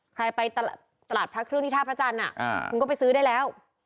ใครไปตลาดพระเครื่องที่ท่าพระจันทร์คุณก็ไปซื้อได้แล้ว